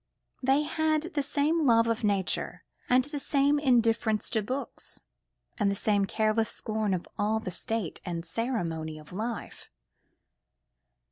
They had the same love of nature, and the same indifference to books, and the same careless scorn of all the state and ceremony of life.